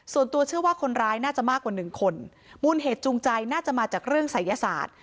ส่วนตัวเชื่อว่าคนร้ายน่าจะมากกว่าหนึ่งคนมูลเหตุจูงใจน่าจะมาจากเรื่องศัยศาสตร์